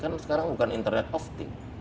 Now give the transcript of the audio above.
kan sekarang bukan internet of thing